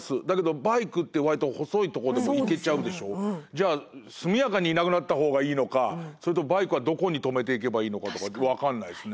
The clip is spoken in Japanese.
じゃあ速やかにいなくなった方がいいのかそれともバイクはどこに止めていけばいいのかとか分かんないですね。